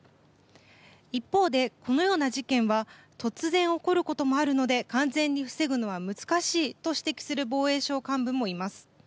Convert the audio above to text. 一方で、このような事件は突然起こることもあるので完全に防ぐのは難しいと指摘する防衛省幹部もいます。